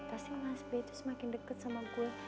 pasti mas b itu semakin dekat sama gue